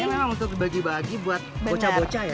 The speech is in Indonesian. ini memang untuk dibagi bagi buat bocah bocah ya